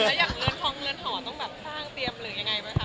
อย่างเงินทองเงินห่อต้องสร้างเตรียมหรือยังไงบ้างคะ